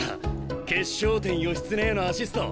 決勝点義経へのアシスト。